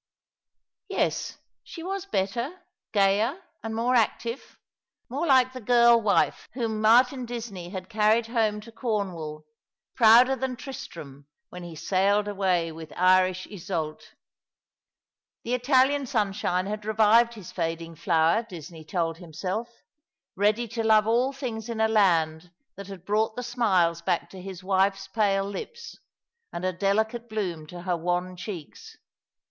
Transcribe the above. Yes, she was better, gayer, and more active— more like the girl wife whom IMartin Disney had carried home to Q 2 26 All along the River. Cornwall, prouder than Tristram when he sailed away with Irish Isolt. The Italian sunshine had revived his fading flower, Disney told himself, ready to love all things in a land that had brought the smiles back to his wife's pale lips, and a delicate bloom to her wan cheeks.